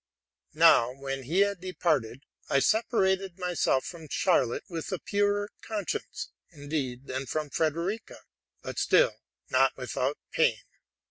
Now, when he had departed, I separated myself from Charlotte with a purer conscience, indeed, than from Frederica, but still not without pain.